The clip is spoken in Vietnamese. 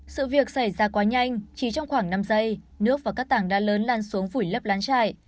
sự việc xảy ra quá nhanh chỉ trong khoảng năm giây nước và các tảng đã lớn lan xuống vùi lấp lán trại